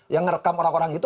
yang merekam orang orang itu